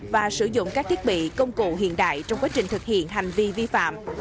và sử dụng các thiết bị công cụ hiện đại trong quá trình thực hiện hành vi vi phạm